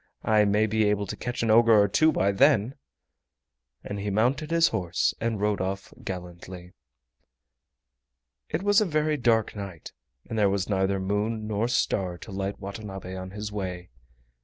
I may be able to catch an ogre or two by then!" and he mounted his horse and rode off gallantly. It was a very dark night, and there was neither moon nor star to light Watanabe on his way.